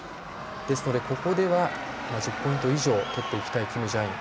ですので、ここでは１０ポイント以上を取っていきたいキム・ジャイン。